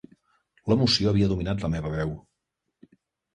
L'emoció havia dominat la meva veu.